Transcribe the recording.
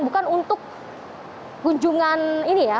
bukan untuk kunjungan ini ya